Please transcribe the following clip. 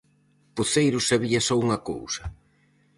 Poceiro sabía só unha cousa.